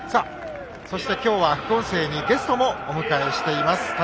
そして、今日は副音声にゲストもお迎えしています。